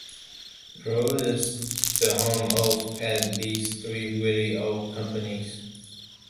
Peru is the home of at least three very old companies.